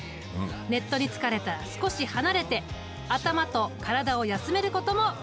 ネットに疲れたら少し離れて頭と体を休めることも大切だ。